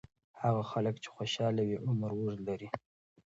هغه خلک چې خوشاله وي، عمر اوږد لري.